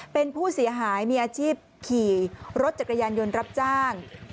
เป็นผู้เสียหายมีอาชีพขี่รถจักรยานยนต์รับจ้าง